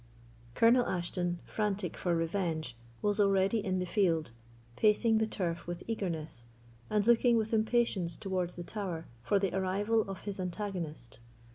Colonel Ashton, frantic for revenge, was already in the field, pacing the turf with eagerness, and looking with impatience towards the Tower for the arrival of his antagonist.